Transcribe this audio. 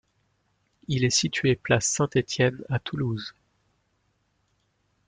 Il est situé place Saint-Étienne à Toulouse.